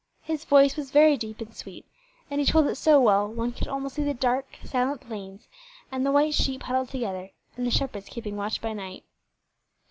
His voice was very deep and sweet, and he told it so well one could almost see the dark, silent plains and the white sheep huddled together, and the shepherds keeping watch by night.